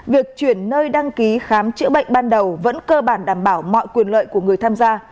việc chuyển nơi đăng ký khám chữa bệnh ban đầu vẫn cơ bản đảm bảo mọi quyền lợi của người tham gia